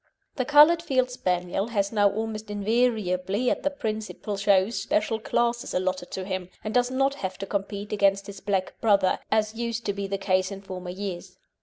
The coloured Field Spaniel has now almost invariably at the principal shows special classes allotted to him, and does not have to compete against his black brother, as used to be the case in former years.